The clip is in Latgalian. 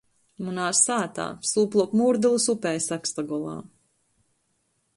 Munā sātā, sūpluok Mūrdulys upei Sakstagolā.